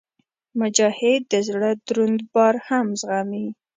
مجاهد د زړه دروند بار هم زغمي.